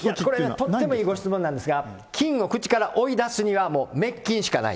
とってもいいご質問なんですが、菌を口から追い出すには、もう滅菌しかない。